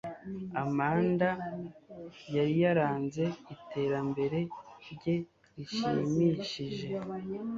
Amanda yari yaranze iterambere rye rishimishije